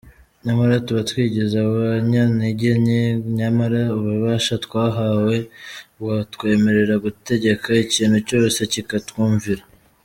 Nyamara tuba twigize abanyantege nke nyamara ububasha twahawe butwemerera gutegeka ikintu cyose kikatwumvira.